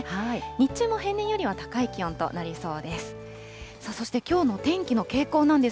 日中も平年よりは高い気温となりそうです。